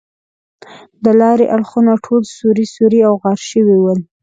د لارې اړخونه ټول سوري سوري او غار شوي ول.